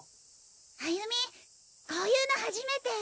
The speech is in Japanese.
歩美こういうの初めて。